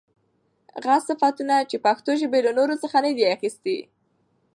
غه صنفونه، چي پښتوژبي له نورڅخه نه دي اخستي.